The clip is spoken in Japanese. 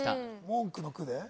文句の「句」で？